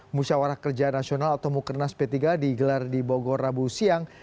musyawarah kerja nasional atau mukernas p tiga digelar di bogor rabu siang